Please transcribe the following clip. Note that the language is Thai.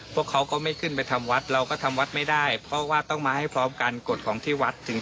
พวกเขาก็ไม่ขึ้นไปทำวัดเราก็ทำวัดไม่ได้เพราะว่าต้องมาให้พร้อมกันกฎของที่วัดถึง